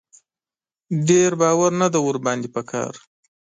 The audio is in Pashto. ډېر باور نه دی ور باندې په کار.